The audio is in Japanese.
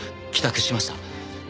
帰宅しました。